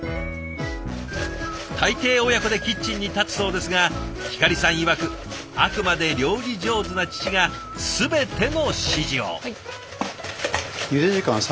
大抵親子でキッチンに立つそうですがひかりさんいわくあくまで料理上手な父が全ての指示を。